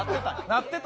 なってた？